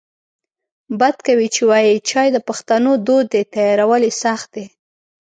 بد کوي چې وایې چای د پښتنو دود دی تیارول یې سخت دی